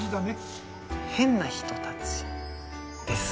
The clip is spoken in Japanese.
変な人たちですね